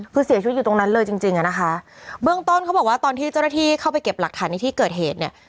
คือเสียชีวิตอยู่ตรงนั้นเลยจริงจริงอ่ะนะคะเบื้องต้นเขาบอกว่าตอนที่เจ้าหน้าที่เข้าไปเก็บหลักฐานในที่เกิดเหตุเนี่ย